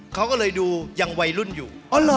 เขาก็เลยดูยังวัยรุ่นอยู่